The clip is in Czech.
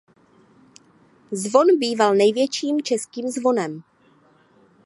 Zvon býval největším českým zvonem.